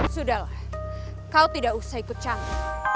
sudahlah kau tidak usah ikut canggih